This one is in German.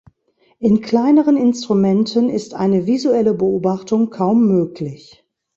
In kleineren Instrumenten ist eine visuelle Beobachtung kaum möglich.